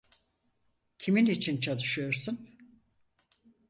Kimin için çalışıyorsun?